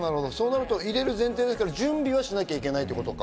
入れる前提だったら準備はしなきゃいけないってことか。